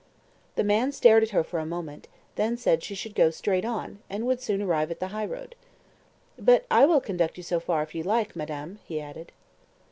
The man stared at her for a moment, then said she should go straight on, and would soon arrive at the highroad. "But I will conduct you so far if you like, madame," he added.